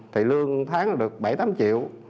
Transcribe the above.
thì lương tháng là được bảy tám triệu